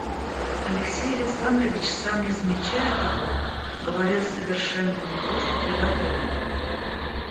Алексей Александрович, сам не замечая того, говорил совершенно не то, что приготовил.